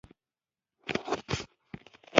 پیرودونکی له خدمت نه خوشاله و.